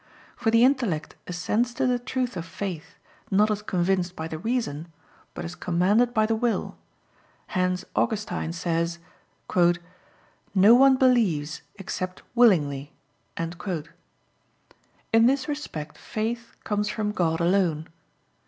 For the intellect assents to the truth of faith, not as convinced by the reason, but as commanded by the will; hence Augustine says, "No one believes except willingly." In this respect faith comes from God alone.